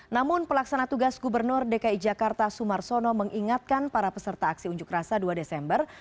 namun pelaksana tugas gubernur dki jakarta sumarsono mengingatkan para peserta aksi unjuk rasa dua desember